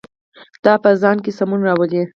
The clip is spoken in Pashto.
دا په ځان کې سمون راولي.